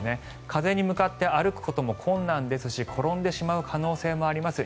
風に向かって歩くことも困難ですし転んでしまう可能性もあります。